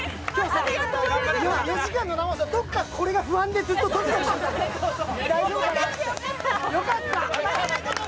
４時間の生放送、どっかこれが不安でずっとドキドキしてた、よかった。